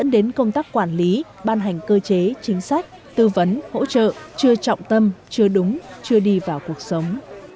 hoàn lý ban hành cơ chế chính sách tư vấn hỗ trợ chưa trọng tâm chưa đúng chưa đi vào cuộc sống